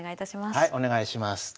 はいお願いします。